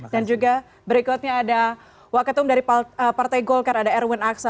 dan juga berikutnya ada wak ketum dari partai golkar ada erwin aksa